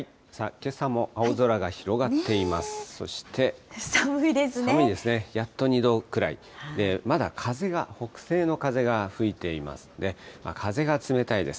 けさも青空が広がっています。